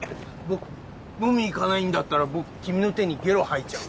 飲み行かないんだったら僕君の手にゲロ吐いちゃうよ。